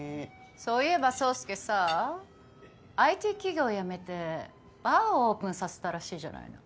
そういえば宗介さぁＩＴ企業辞めてバーをオープンさせたらしいじゃないの。